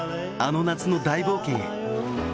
さあ、あの夏の大冒険へ。